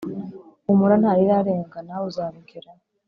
humura ntarirarenga nawe uzabigeraho